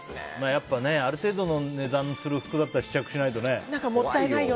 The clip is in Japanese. やっぱ、ある程度の値段がする服だと試着しないとね。